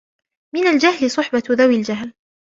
مِنْ الْجَهْلِ صُحْبَةُ ذَوِي الْجَهْلِ